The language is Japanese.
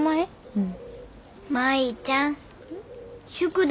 うん。